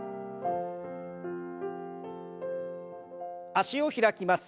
脚を開きます。